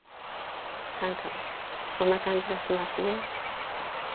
何かそんな感じがしますね。